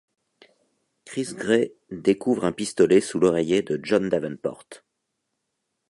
Chris Gray découvre un pistolet sous l'oreiller de John Davenport.